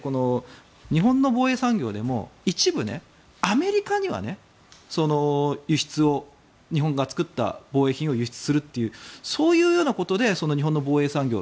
日本の防衛産業でも一部、アメリカには輸出を日本が作った防衛品を輸出するというそういうようなことで日本の防衛産業